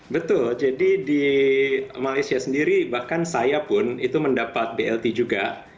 betul jadi di malaysia sendiri bahkan saya pun itu mendapat blt juga